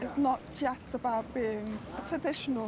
ini bukan hanya tentang arti muslim tradisional